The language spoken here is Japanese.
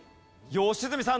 良純さん